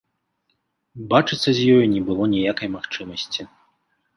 Бачыцца з ёю не было ніякай магчымасці.